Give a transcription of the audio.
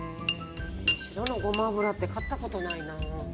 白のごま油って買ったことないな。